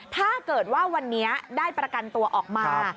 ถ้าเกิดว่าวันนี้ได้ประกันตัวออกมา